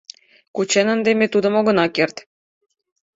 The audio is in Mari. — Кучен ынде ме тудым огына керт.